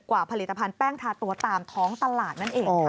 ผลิตภัณฑ์แป้งทาตัวตามท้องตลาดนั่นเองค่ะ